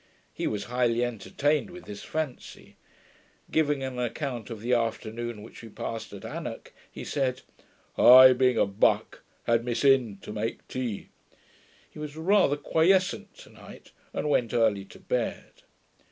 He was highly entertained with this fancy. Giving an account of the afternoon which we passed at Anock, he said, 'I, being a BUCK, had miss in to make tea.' He was rather quiescent tonight, and went early to bed.